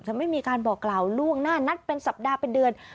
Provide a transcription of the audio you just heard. ไม่มีการบอกกล่าวล่วงหน้านัดเป็นสัปดาห์เป็นเดือน